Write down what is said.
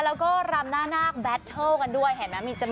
แล้วก็รำหน้านาคแบตเทิลกันด้วยเห็นไหม